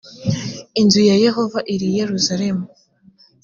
inzu ya yehova iri i yerusalemu